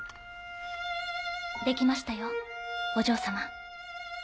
できましたよお嬢様。